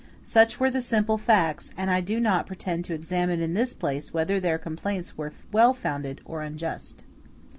Such were the simple facts, and I do not pretend to examine in this place whether their complaints were well founded or unjust.